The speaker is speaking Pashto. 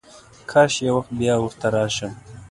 کاش یو وخت بیا ورته راشم.